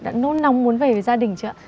đã nôn nong muốn về với gia đình chưa